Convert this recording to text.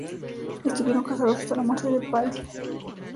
Estuvieron casados hasta la muerte de Pyle.